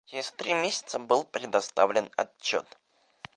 Через три месяца был представлен отчет.